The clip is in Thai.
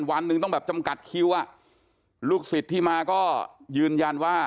วันหนึ่งต้องแบบจำกัดคิวอ่ะลูกศิษย์ที่มาก็ยืนยันว่า